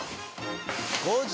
５時！